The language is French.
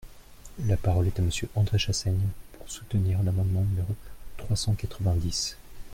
La parole est à Monsieur André Chassaigne, pour soutenir l’amendement numéro trois cent quatre-vingt-dix.